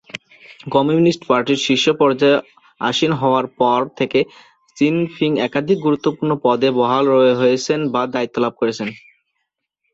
Communist পার্টির শীর্ষ পর্যায়ে আসীন হওয়ার পর থেকে চিনফিং একাধিক গুরুত্বপূর্ণ পদে বহাল হয়েছেন বা দায়িত্ব লাভ করেছেন।